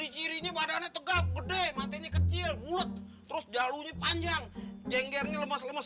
jadinya badannya tegak gede matinya kecil mulut terus jalunya panjang jenggernya lemes lemes